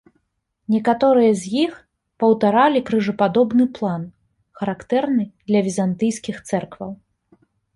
Некаторыя з іх паўтаралі крыжападобны план, характэрны для візантыйскіх цэркваў.